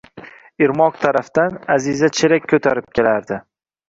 Irmoq tarafdan Аziza chelak koʼtarib kelardi.